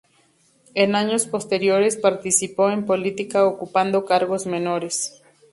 En años posteriores participó en política ocupando cargos menores.